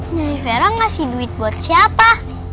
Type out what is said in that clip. nyanyi vera ngasih duit buat siapa